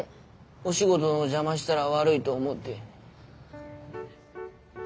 お仕事の邪魔したら悪いと思って。